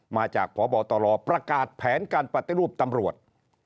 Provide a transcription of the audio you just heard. มาจากพบตรประกาศแผนการปฏิรูปตำรวจ